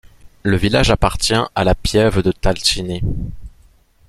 Le village appartient à la piève de Talcini.